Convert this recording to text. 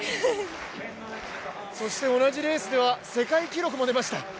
同じレースでは世界記録も出ました。